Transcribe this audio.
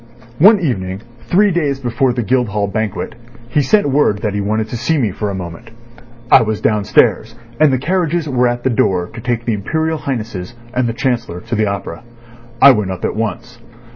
One evening, three days before the Guildhall Banquet, he sent word that he wanted to see me for a moment. I was downstairs, and the carriages were at the door to take the Imperial Highnesses and the Chancellor to the opera. I went up at once.